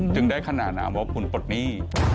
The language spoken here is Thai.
จึงได้ขนาดนั้นว่าหุ่นปลดหนี้